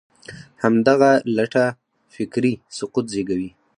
همدغه لټه فکري سقوط زېږوي.